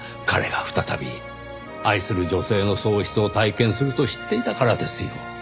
彼が再び愛する女性の喪失を体験すると知っていたからですよ。